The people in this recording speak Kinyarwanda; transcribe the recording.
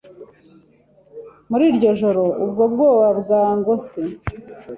Muri iryo joro ubwo ubwoba bwangose